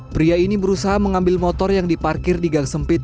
pria ini berusaha mengambil motor yang diparkir di gang sempit